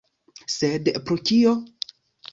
Sed pro kio?